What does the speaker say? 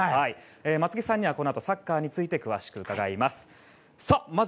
松木さんにはこのあとサッカーについて詳しく伺います。